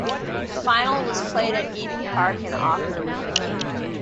The final was played at Eden Park in Auckland.